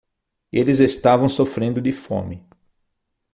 Eles estavam sofrendo de fome.